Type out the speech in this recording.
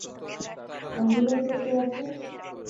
Ambulance কে আছে?